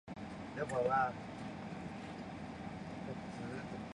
巴丹蜗为南亚蜗牛科班卡拉蜗牛属下的一个种。